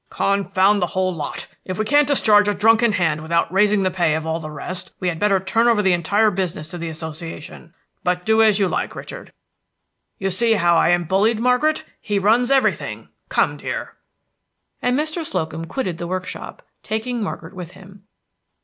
"Confound the whole lot! If we can't discharge a drunken hand without raising the pay of all the rest, we had better turn over the entire business to the Association. But do as you like, Richard. You see how I am bullied, Margaret. He runs everything! Come, dear." And Mr. Slocum quitted the workshop, taking Margaret with him.